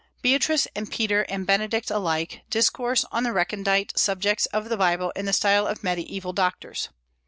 Beatrice and Peter and Benedict alike discourse on the recondite subjects of the Bible in the style of Mediaeval doctors.